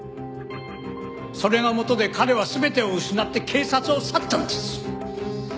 それがもとで彼は全てを失って警察を去ったんです。